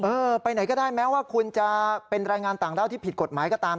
ไปไหนก็ได้แม้ว่าคุณจะเป็นแรงงานต่างด้าวที่ผิดกฎหมายก็ตาม